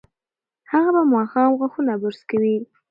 هغه به ماښام غاښونه برس کوي.